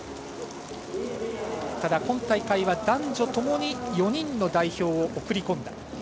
ただ今大会は男女ともに４人の代表を送り込んだ。